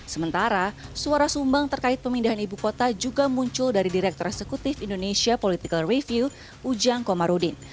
sementara suara sumbang terkait pemindahan ibu kota juga muncul dari direktur eksekutif indonesia political review ujang komarudin